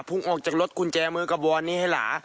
พุ่งออกจากรถคุณแจมือกระบวอนนี้ให้หล่า